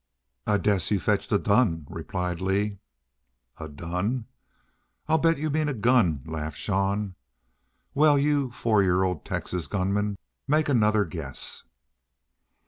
"I dess you fetched a dun," replied Lee. "A dun! I'll bet you mean a gun," laughed Jean. "Well, you four year old Texas gunman! Make another guess."